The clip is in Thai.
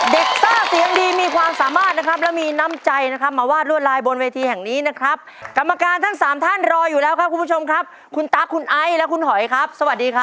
ซ่าเสียงดีมีความสามารถนะครับและมีน้ำใจนะครับมาวาดรวดลายบนเวทีแห่งนี้นะครับกรรมการทั้งสามท่านรออยู่แล้วครับคุณผู้ชมครับคุณตั๊กคุณไอซ์และคุณหอยครับสวัสดีครับ